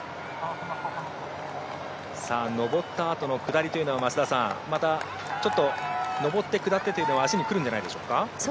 上ったあとの下りというのはまた、ちょっと上って下ってというのは足にくるんじゃないでしょうか。